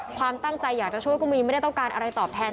ความตั้งใจอยากจะช่วยก็มีไม่ได้ต้องการอะไรตอบแทน